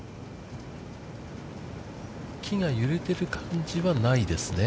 木が揺れてる感じはないですね。